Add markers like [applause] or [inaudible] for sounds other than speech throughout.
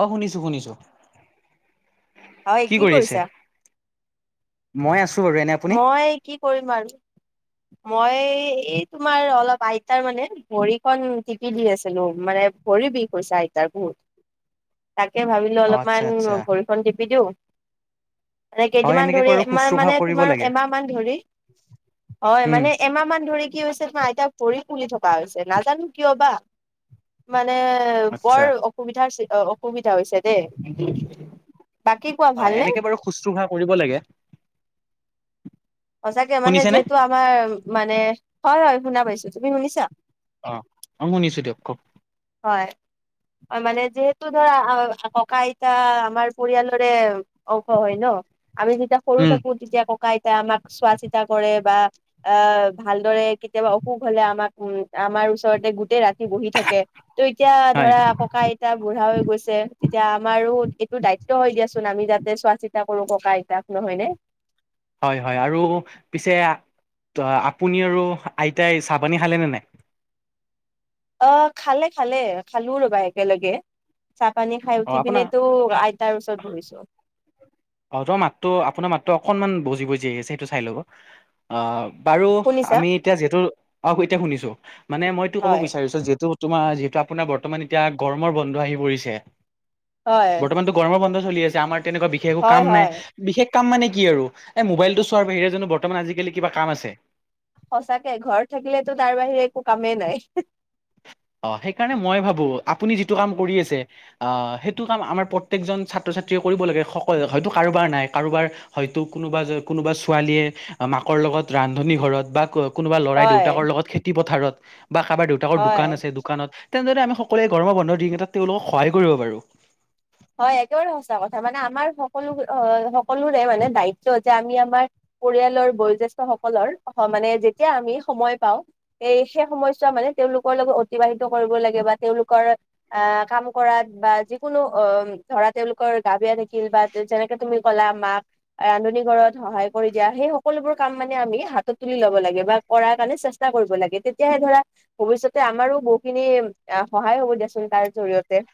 অহ', শুনিছো শুনিছো। হয়, কি কৰি আছে? কৰিছা? মই আছো বাৰু এনে আপুনি? মই কি কৰিম আৰু মই এ এই তোমাৰ অলপ আইতাৰ মানে ভৰিখন টিপি দি আছিলো। মানে ভৰি বিষ হৈছে আইতাৰ বহুত, তাকে ভাবিলো অ আচ্ছা অলপমান আচ্ছা ভৰিখন টিপি দিওঁ। [unintelligible] হয় কেইদিনমান এনেকে ধৰি বাৰু মাৰ শুশ্ৰূষা মানে কৰিব তোমাৰ লাগে এমাহ মান ধৰি, হয় উম মানে এমাহ মান ধৰি কি হৈছে তোমাৰ আইতাৰ ভৰি ফুলি থকা হৈছে, নাজানো কিয় বা, মানে আচ্ছা বৰ অসুবিধাৰ সৃষ্ট অ, অসো বিধা হৈছে দেই। বাকী কোৱা হয় ভালনে? এনেকে বাৰু শুশ্ৰূষা কৰিব লাগে সঁচাকে মানে শুনিছেনে যিহেতু আমাৰ মানে, হয়, হয় শুনা পাইছো, তুমি শুনিছা? অ, অ শুনিছোঁ দিয়ক, কওক হয়। হয় মানে যিহেতু ধৰা আ ককা আইতা আমাৰ পৰিয়ালৰে অংশ হয় ন, আমি যেতিয়া সৰু উম থাকো তেতিয়া ককা আইতাই আমাক চোৱা চিতা কৰে, বা এ ভালদৰে কেতিয়াবা অসুষ হলে আমাক উম, আমাৰ ওচৰতে গোটেই ৰাতি বহি থাকে। ত' এতিয়া হয় ধৰা, ককা আইতা বুঢ়া হৈ গৈছে, এতিয়া আমাৰো এইটো দায়িত্ব হৈ দিয়ছ ছোঁন। আমি যাতে চোৱা চিতা কৰো ককা আইতাক নহয়নে? হয়, হয় আৰু পিছে, ত' আপুনি আৰু আইতাই চাহ পানী খালে নে নাই? অ, খালে খালে, খালো ৰ'বা একেলগে। চাহ পানী খাই অ উঠি আপোনাৰ পিনেটো, আইতাৰ ওচৰত বহিছোঁ। অ ত মাতটো আপোনাৰ মাতটো অকনমান বুজি বুজি আহি আছে সেইটো চাই ল'ব, আহ, বাৰু শুনিছা আমি এতিয়া যিহেতু, অ, এতিয়া শুনিছো, মানে মই এইটো ক'ব হয় বিচাৰিছো যিহেতু তোমাৰ যিহেতু আপোনাৰ বৰ্তমান এতিয়া গৰমৰ বন্ধ আহি পৰিছে, হয় বৰ্তমানতো গৰমৰ বন্ধ চলি আছে, আমাৰ তেনেকুৱা বিশেষ একো হয় কাম নাই, হয় বিশেষ কাম মানে কি আৰু, এ মোবাইলটো চোৱাৰ বাহিৰে জানো বৰ্তমান আজিকালি কিবা কাম আছে? সঁচাকে, ঘৰত থাকিলেতো তাৰ বাহিৰে একো কামেই নাই। অ, সেইকাৰণে মই ভাবো, আপুনি যিটো কাম কৰি আছে আহ, সেইটো কাম আমাৰ প্ৰত্যেকজন ছাত্ৰ ছাত্ৰীয়ে কৰিব লাগে সক হয়টু কাৰোবাৰ নাই, কাৰোবাৰ হইটো কোনোবা, কোনোবা ছোৱালীয়ে অ, মাকক ৰ লগত ৰান্ধনী ঘৰত, বা ক কোনোবা লৰাই হয় দেউতাকৰ লগত খেতি পথাৰত বা কাৰোবাৰ দেউতাকৰ হয় দোকান আছে দোকানত তেনেদৰে আমি সকলোৱে গৰমৰ বন্ধ দি এটা তেওঁলোকক সহায় কৰিব পাৰো হয় একেবাৰে সঁচা কথা মানে আমাৰ সকলো অ সকলোৰে মানে দায়িত্ব যে আমি আমাৰ পৰিয়ালৰ বয়োজ্যেষ্ঠ সকলৰ মানে যেতিয়া আমি সময় পাওঁ এই বিশেষ সময়ছোৱাত মানে তেওঁলোকৰ লগত অতিবাহিত কৰিব লাগে বা তেওঁলোকৰ অ কাম কৰাত বা যিকোনো অ ধৰা তেওঁলোকৰ গাবেয়া থাকিল বা যেনেকে তুমি কলা মাক ৰান্ধনী ঘ়ৰত সহায় কৰি দিয়া সেই সকলোবোৰ কাম মানে আমি হাতত তুলি ল'ব লাগে বা কৰাৰ কাৰণে চেষ্টা কৰিব লাগে তেতিয়াহে ধৰা ভৱিষ্যতে আমাৰো বহুখিনি সহায় হব দিয়া চোন তাৰ জৰিয়তে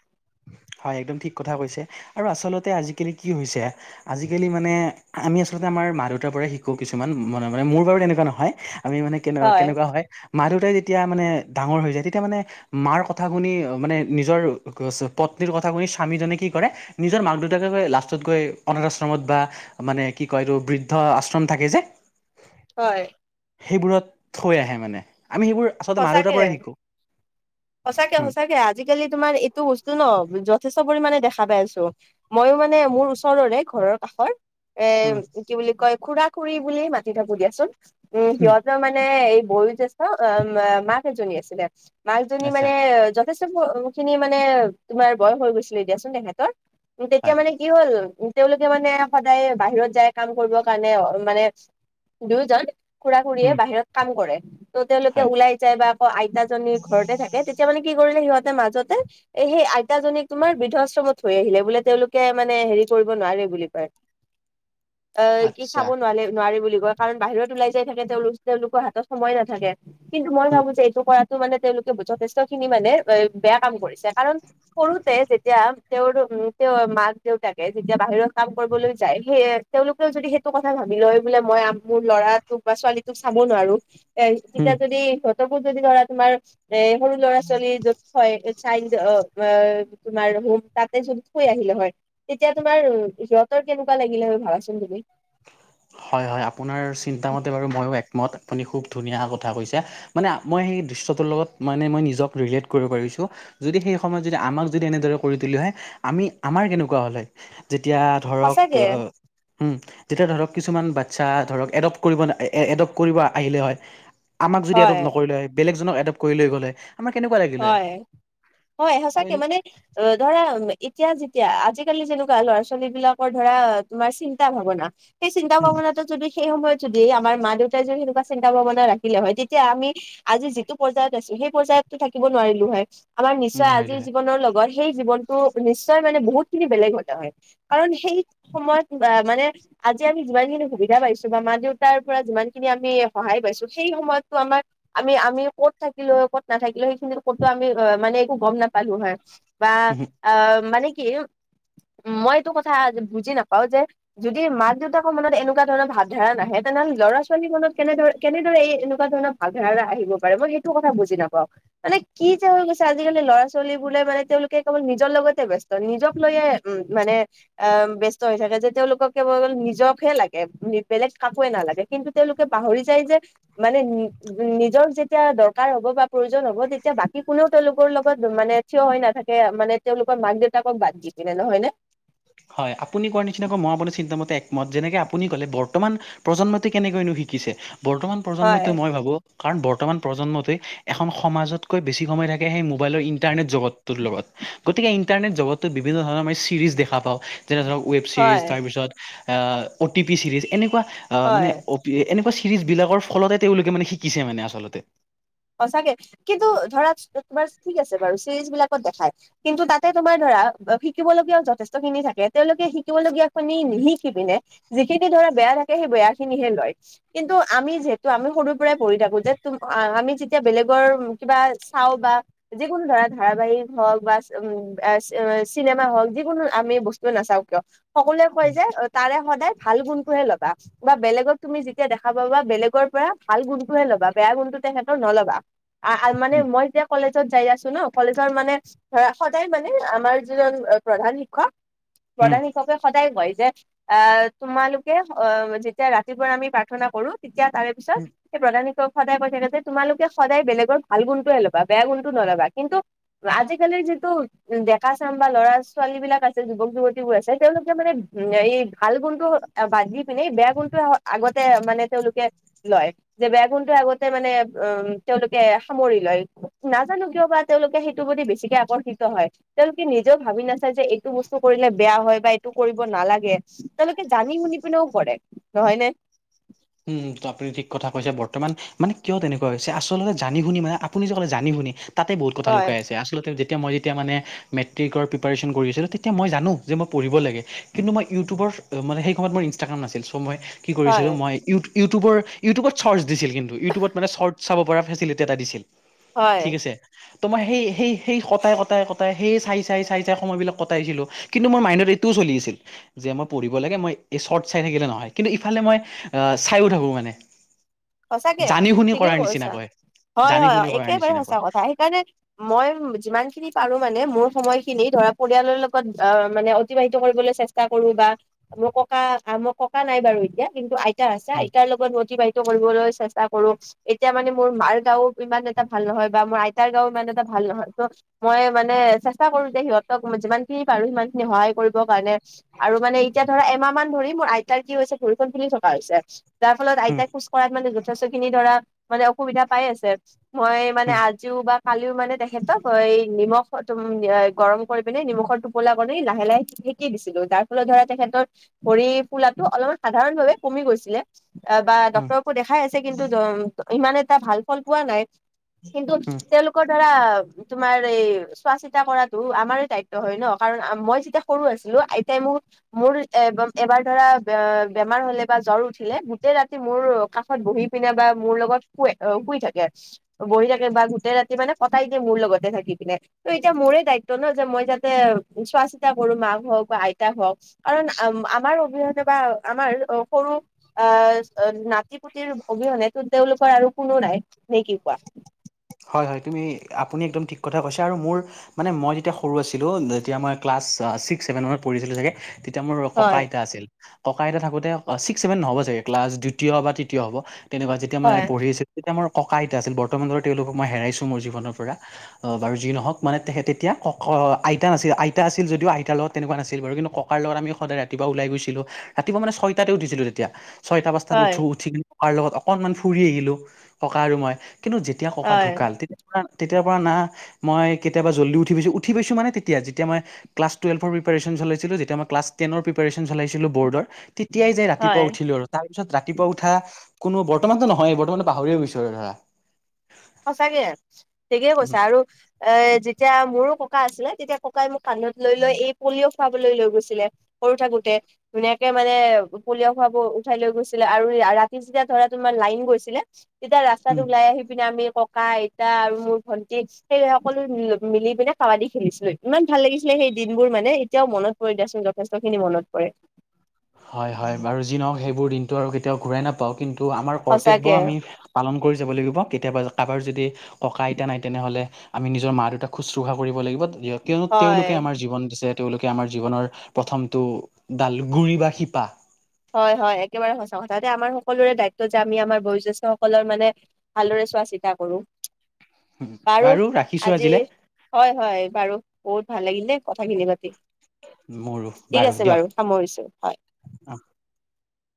হয় একদম ঠিক কথা কৈছে আৰু আচলতে আজিকালি কি হৈছে আজিকালি মানে আমি আচলতে আমাৰ মা দেউতাৰ পৰাই শিকো কিছুমান ম মানে মোৰ বাৰ তেনেকুৱা নহয় আমি মানে কেনে কেনেকুৱা হয় মা দেউতাই যেতিয়া মানে ডাঙৰ হৈ যায় তেতিয়া মানে মাৰ কথা শুনি মানে নিজৰ পত্নীৰ কথা শুনি স্বামীজনে কি কৰে নিজৰ মাক দেউতাকে গৈ লাষ্টত গৈ অনাথ আশ্ৰমত বা মানে কি কয় এইটো বৃদ্ধ আশ্ৰম থাকে যে হয় সেইবোৰত থৈ আহে মানে আমি সেইবোৰ আচলতে মা দেউতাৰ সঁচাকে পৰাই শিকো সঁচাকে উম সচাকে আজিকালি তোমাৰ এইটো ন যথেষ্ট পৰিমানে দেখা পাই আছো ময়ো মানে মোৰ ওচৰৰে ঘৰৰ কাষৰ এ উম কি বুলি কয় খুড়া খুড়ী বুলি মাতি থাকো দিয়াচোন উম সিহঁতৰ মানে বয়ো জেষ্ঠ মাক এজনী আছিলে মাকজনী আচ্ছা মানে যেষ্ট খিনি মানে তোমাৰ বয়স হৈ গৈছিলে এ দিয়াচোন তেসেতৰ তেতিয়া হয় মানে কি হ'ল তেওঁলোকে মানে সদায় বাহিৰত যায় কাম কৰিবৰ কাৰণে মানে দুয়োজন খুড়া খুড়ীয়ে উম বাহিৰত কাম কৰে ত' তেওঁলোকে হয় ওলাই যায় বা অ আইতাজনীৰ ঘৰতে থাকে তেতিয়া মানে কি কৰিলে সিহঁত মাজতে এ সেই আইতাজনীক তোমাৰ বৃদ্ধাশ্ৰমত থৈ আহিলে বোলে তেওঁলোকে মানে হেৰি কৰিব নোৱাৰে বুলি কয় অ কি আচ্ছা চাব নোৱাৰি নোৱাৰি বুলি কয় কাৰণ বাহিৰত ওলাই যাই থাকে তেওঁলোক তেওঁলোকৰ হাতত সময়ে নাথাকে কিন্তু মই উম ভাবো যে এইটো কৰাতো মানে তেওঁলোকে যথেষ্ট খিনি মানে বেয়া কাম কৰিছে কাৰণ সৰুতে যেতিয়া তেওঁৰ উ তেওঁৰ মাক দেউতাকে যেতিয়া বাহিৰত কাম কৰিবলৈ যায় সেয়ে তেওঁলোকেও যদি সেইটো কথা ভাবি লয় বোলে মই আম মোৰ লৰাটোক বা ছোৱালীটোক চাব নোৱাৰো এ উম তেতিয়া যদি সিহঁতকো যদি ধৰা তোমাৰ এ সৰু ল'ৰা ছোৱালী য'ত থৈ এত চাইল্ড [unintelligible] তোমাৰ হোম তাতে যদি থৈ আহিলে হয় তেতিয়া তুমাৰ সিহঁতৰ কেনেকুৱা লাগিলে হয় ভাবাচোন তুমি হয় হয় আপোনাৰ চিন্তামতে বাৰু ময়ো একমত আপুনি খুব ধুনীয়া কথা কৈছে মানে মই সেই দৃশ্যটোৰ লগত মানে মই নিজক ৰিলেট কৰিব পাৰিছোঁ যদি সেই সময়ত যদি আমাক যদি এনেদৰে কৰি তুলি হয় আমি আমাৰ কেনেকুৱা হ'ল হয় তেতিয়া ধৰক সঁচাকে উম যেতিয়া ধৰক কিছুমান বাচ্ছা ধৰক এডপ্ট কৰিব ন এ-এ- এডপট কৰিব আহিলে হয় আমাক যদি হয় এডপট নকৰিলে হয় বেলেগজনক এডপ্ট কৰি লৈ গ'লে হৈ হয় হয় ত সচাকে এনে মানে অ ধৰা এতিয়া যেতিয়া আজিকালি যেনেকুৱা ল'ৰা ছোৱালী বিলাকৰ ধৰা তোমাৰ চিন্তা ভাৱনা সেই চিন্তা উম ভাৱনাটো যদি সেই সময়ত যদি আমাৰ মা দেউতাই যদি সেনেকুৱা চিন্তা ভাৱনা ৰাখিলে হয় তেতিয়া আমি আজি যিটো পৰ্যায়ত আছো সেই পৰ্যায়ত টো থাকিব নোৱাৰিলো হয় আমাৰ উম নিশ্চয় হয় আজিৰ জীৱনৰ লগত সেই জীৱনতটো নিশ্চয় মানে বহুতখিনি বেলেগ হলেহয় কাৰণ সেইত সময়ত মানে আজি আমি যিমানখিনি সুবিধা পাইছো বা মা দেউতাৰ পৰা যিমানখিনি আমি সহায় পাইছো সেই সময়তো আমাক আমি আমি ক'ত থাকিলো হৈ ক'ত নাথাকিলো সেইখিনি কোটো আমি মানে একো গম নাপালো হয় বা- হয় আঁ মানে [unintelligible] কি উ। মই এইটো কথা বুজি নাপাও যে যদি মাক দেউতাকৰ মনত এনেকুৱা ধৰণৰ ভাৱধাৰা নাহে তেনে ল'ৰা ছোৱালীৰ মনত কেনেদৰে কেনেদৰে এই এনেকুৱা ধৰণৰ ভাবধাৰা আহিব পাৰে মই সেইটো কথা বুজি নাপাও। মানে কি যে হৈ গৈছে আজিকালি ল'ৰা ছোৱালী বোলে মানে তেওঁলোকে কেৱল নিজৰ লগতে ব্যস্ত নিজক লৈ তাকে উ, মানে আ, ব্যস্ত হৈ থাকে যে তেওঁলোকক কেবল নিজক হে লাগে বেলেগ কাকোৱে নালাগে কিন্তু তেওঁলোকে পাহৰি যায় যে মানে নিজৰ যেতিয়া দৰকাৰ হ'ব বা প্ৰয়োজন হ'ব তেতিয়া বাকী কোনেও তেওঁলোকৰ লগত মানে থিয় হৈ নাথাকে মানে তেওঁলোকৰ মাক দেউতাকক বাদ দি। কিনে নহয় নে? হয় আপুনি কোৱাৰ নিচিনাকৈ মই আপোনাৰ চিন্তা মতে একমত, যেনেকে আপুনি ক'লে বৰ্তমান প্ৰজন্মটো কেনেকৈ শিকিছে, বৰ্তমান হয়, প্ৰজন্মইটো মই ভাবো কাৰণ বৰ্তমান প্ৰজন্মটোৱে এখন সমাজতকৈ বেছি সময় থাকে সেই মোবাইলৰ ইণ্টাৰনেট জগতটোৰ লগত। গতিকে ইটাৰনেট জগতটোত বিভিন্ন ধৰণৰ মানে চিৰিজ দেখা পাওঁ, যেনে ধৰক ৱেব চিৰিজ হয়, তাৰপিছত আ, অ' টি পি চিৰিজ এনেকুৱা আ, মানে হয়। এনেকুৱা চিৰিজ বিলাকৰ ফলতে তেওঁলোকে মানে শিকিছে মানে আচলতে। হচাগে কিন্তু ধৰা তোমাৰ ঠিক আছে বাৰু চিৰিজ বিলাকত দেখাই কিন্তু তাতে তোমাৰ ধৰা তা শিকিবলগগীয়া যথেষ্টখিনি থাকে তেওঁলোকে শিকিবলগীয়াখিনি নিশিকি পিনে যিখিনি ধৰা বেয়া থাকে সেই বেয়াখিনিহে লয় কিন্তু আমি যিহেতু আমি সৰুৰ পৰাই পঢ়ি থাকো যে তোম আমি যেতিয়া বেলেগৰ কিবা চাও বা যিকোনো ধৰা ধাৰাবাহিক হওক বা উ, বা চিনেমা হওক যিকোনো আমি বস্তু নাচাওঁ কিয় সকলোৱে কয় যে তাৰে সদায় ভাল গুণটোহে লবা বা বেলেগক তুমি যেতিয়া দেখা পাবা বেলেগৰ পৰা ভাল গুণটোহে লবা বেয়া বেয়া গুণটো তেখেতৰ নলবা আ-আ, মানে মই যেতিয়া কলেজ জত যাই আছো ন' কলেজৰ মানে ধৰা সদায় মানে আমাৰ যিজন প্ৰধান শিক্ষক প্ৰধান উম, শিককে সদায় লয়। যে আ, তোমালোকে অ' যেতিয়া ৰাতিপুৱাৰ আমি প্ৰাৰ্থনা কৰো তেতিয়া তাৰে পিছত প্ৰধান শিক্ষকে সদায় কৈ থাকে যে তোমালোকে সদায় বেলেগৰ ভাল গুণটোয়ে ল'বা, বেয়া গুণতটো নল'বা কিন্তু আজিকালিৰ যিটো ডেকা চাম বা ল'ৰা ছোৱালীবিলাক আছে, যুৱক যুৱতীবোৰ আছে তেওঁওলোকে মানে উ, এই ভাল গুণটো বান্ধি পিনে বেয়া গুণটোহে আগত তে মানে তেওঁলোকে লয় যে বেয়া গুণটো আগতে মানে উম, তেওঁলোকে সামৰি লয়। নাজানো কিয় বা তেওঁলোকে সেইটো প্ৰতি বেছিকে আকৰ্ষিত হয়। তেওঁলোকে নিজেও ভাবি নাচায় যে এইটো বস্তু কৰিলে বেয়া হয় বা এইটো কৰিব নালাগে, তেওঁলোকে জানি ম পিনেও কৰে নহয় নে? উম, উম, ত' আপুনি ঠিক কথা কৈছে বৰ্তমান মানে কিয় তেনেকুৱা হৈছে আচলতে জানি শুনি মানে আপুনি যে ক'লে জানি শুনি তাতে বহুত কথা হয় লুকাই আছে। আচলতে তেতিয়া মই যেতিয়া মানে মেট্ৰিকৰ প্ৰিপেৰেশ্যন কৰি আছিলোঁ তেতিয়া মই জানো যে মই পঢ়িব লাগে কিন্তু মই ইউটিউবৰ মানে সেই সময়ত মোৰ ইনষ্টাগ্ৰাম নাছিল চ' মই কি হয় কৰিছিলোঁ মই ইউ ইউটিউবৰ ইউটিবত চৰ্চ দিছিল কিন্তু ইউটউবত মানে চৰ্ট চাব পৰা ফেচিলিটি এটা দিছিল। হয়। তোমাৰ মই সেই সেই সেই কটাই কটাই কটাই, সেই চাই চাই চাই চাই সময় বিলাক কটাইছিলো কিন্তু মোৰ মাইণ্ডত এইটোও পুলি আছিল যে মই পঢ়িব লাগে, মই এই চৰ্ট চাই থাকিলে নহয় কিন্তু ইফালে মই আ, চাইও থাকো মানে সঁচাকে জানি শুনি ঠিকে কৰাৰ নিচিনা কৈছা। কয়। হয় হয় একেবাৰে সচা কথা, সেইকাৰণে মই যিমানখিনি পাৰো মানে মোৰ সময়খিনি ধৰা পৰিয়ালৰ লগত আ, মানে অতিবাহিত কৰিবলৈ চেষ্টা কৰো বা মোৰ ককা মই ককা নাই বাৰু এতিয়া কিন্তু আইতা আছে উম আইতাৰ লগত অতিবাহিত কৰিবলৈ চেষ্টা কৰো। এতিয়া মানে মোৰ মাৰ গাও ইমান এটা ভাল নহয় বা মোৰ আইতাৰ গাও ইমান এটা ভাল নহয় ত' মই মানে চেষ্টা কৰো যে সিহঁতক যিমানখিনি পাৰো সিমানখিনি সহায় কৰিবৰ কাৰণে। আৰু মানে এতিয়া ধৰা এমাহ মান ধৰি মোৰ আইতাৰ কি হৈছে ভৰিখন তিলি থকা হৈছে যাৰ ফলত উম আইতাক মানে যথেষ্টখিনি ধৰা মানে অসুবিধা পাই আছে। মই মানে উম আজিও বা কালিও মানে তেখেতক নিমখ তুম এই গৰম কৰি পিনে নিমখৰ টোপোলা বনাই লাহে লাহে থেকি দিছিলো, যাৰ ফলত ধৰা তেখেত [unintelligible] ভৰি ফুলাটো অলপমান সাধাৰণ ভাৱে কমি গৈছিলে, এ বা উম ক্তৰকো দেখাই আছে কিন্তু দ-ইমান এটা ভাল ফল পোৱা নাই। কিন্তু উম তেওঁলোক ধৰা তোমাৰ এই চোৱা চিতা কৰাটো আমাৰে দায়িত্ব হয় ন, কাৰণ আম-মই যেতিয়া সৰু আছিলো আইতাই মোৰ-মোৰ এবা-এবাৰ ধৰা বে-বেমাৰ হলে বা জ্বৰ উঠিলে, গোটে ৰাতি মোৰ কাষত বহি পিনে বা মোৰ লগত শুৱে শুই থাকে। বহি থাকে বা গোতেই ৰাতি মানে কটাই দিয়ে মোৰ মোৰ লগতে থাকি কিনে, আৰু এতিয়া মোৰে দাইত্ব ন যে মই তাতে চোৱা চিতা কৰোঁ মাঁক হওঁক আইতাক [unintelligible] কাৰন আম-আমাৰ অবিহনে বা আমাৰ সৰু আ, না নাতি পুতিটোৰ অবিহনেটোন তেওঁলোকৰ আৰু কোনো নাই, নেকি কোৱা? হয়-হয়, তুমি আপুনি একম ঠিক কথা কৈছা, আৰু মোৰ মানে মই যেতিয়া সৰু আছিলোঁ যেতিয়া মই ক্লাছ ছা-ছিক্স ছেভেন মানত পঢ়িছিলো চাগে, তেতিয়া মোৰ ককা হয় এটা আছিল। ককা আইতা থাকোঁতে, ছিক্স ছেভেন নহব চাগে ক্লাছ দ্বিতীয় বা তৃতীয় হব তেনেকুৱা যেতিয়া মই হয়, পঢ়িছিলোঁ তেতিয়া মোৰ ককা আইতা আছিল বৰ্তমানৰ তেওঁলোকক মই হেৰাইছো মোৰ জীৱনৰ পৰা। অ', বাৰু যি নহওঁক মানে তেখ-তেতিয়া ক-ক আইতা নাছিল আইতা আছিল যদিও আইতাৰ লগত তেনেকুৱা নাছিল বাৰু, কিন্তু ককাৰ লগত আমি সদায় ৰাতিপুৱা ওলাই গৈছিলোঁ, ৰাতিপুৱা মানে ছয়টাতে উঠিছিলো তেতিয়া। ছয়তা পাঁচটাত হয়, উঠো, উঠি কিনি ককাৰ লগত অকনমান ফুৰি আহিলোঁ ককা আৰু মই, কিন্তু যেত তিয়া ককা হয়, ঢুকাল [unintelligible] তেতিয়াপা না মই কেতিয়াবা জল্দি উঠিপাইছোঁ উঠিপাইছোঁ মানে তেতিয়া যেতিয়া মই ক্লাছ টোৱেল্ভৰ প্ৰিপাৰেচন চলা ছিলো যেতিয়া মই ক্লাছ টেনৰ প্ৰিপাৰেচন চলাইছিলো বৰ্ডৰ তি তিয়াই যে হয়, ৰাতিপুৱা উঠিলোঁ আৰু, তাৰ পিছত ৰাতিপুৱা উঠা কোনো বৰ্তমানতো নহয়ে বৰ্তমানতো পাহৰিয়েই গৈছোঁ আৰু ধৰা। নমস্কাৰ সঁচাকে ঠিকেই কৈছা আৰু এ, যেতিয়া মোৰো ককা আছিলে তেতিয়া ককাই মোক কান্ধত লৈ-লৈ এ পলিঅ খুৱাবলৈলৈ গৈছিলে সৰু থাকোঁতে, ধুনীয়াকে মানে পলিঅ' খুৱাব উঠাই লৈ গৈছিলে আৰু ৰা-ৰাতি যেতিয়া ধৰা তোমাৰ লাইন গৈছিলে, তেতিয়া ৰাস্তত উম, ওলাই আহি পিনে আমি ককা, আইতা আৰু মোৰ ভন্টি সেই সকলো মি-মিলি পিনে কাবাডী খেলিছিলোঁ। ইমান ভাল লাগিছিলে সেই দিনবোৰ মানে এতিয়াও মনত পৰে দিয়াচোন যথেষ্ট খিনি মনত পৰে। হয়-হয়, বাৰু যি নহওঁক সেইবোৰ দিনটো আৰু কেতিয়াওঁ ঘূৰাই নাপাওঁ কিন্তু আমাৰ কৰ্তব্য সঁচাকে আমি পালন কৰি যাব লাগিব। কেতিয়াবা কাৰোবাৰ যদি ককা আইতা নাই তেনেহ'লে আমি নিজৰ মা দেউতাক শুশ্ৰূষা কৰিব লাগিব। দিয় কিয়নো তেওঁলোকে হয়। আমাৰ জীৱন দিছে তেওঁলোকে আমাৰ জীৱনৰ প্ৰথমটো ডালু গুৰি বা শিপা। হয়-হয়, একেবাৰে সঁচা কথা, এতিয়া আমাৰ সকলোৰে দায়িত্ব যে আমি আমাৰ বয়োজ্যেষ্ঠ সকলৰ মানে ভালদৰে চোৱা চিতা কৰোঁ। বাৰু ৰাখিছোঁ আজি আজিলে হয়-হয়, বাৰু বহুত ভাল লাগিল দে। কথাখিনি পাতি। মোৰো ঠিক আছে বাৰু দিয়ক সামৰিছোঁ, হয়।